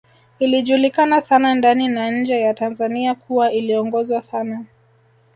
Ilijulikana sana ndani na nje ya Tanzania kuwa iliongozwa sana